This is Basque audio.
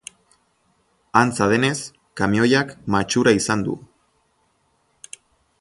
Antza denez, kamioiak matxura izan du.